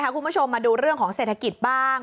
คุณผู้ชมมาดูเรื่องของเศรษฐกิจบ้าง